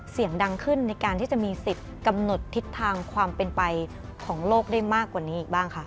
เสียงดังขึ้นในการที่จะมีสิทธิ์กำหนดทิศทางความเป็นไปของโลกได้มากกว่านี้อีกบ้างคะ